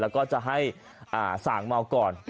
แล้วก็จะให้สั่งเมาก่อน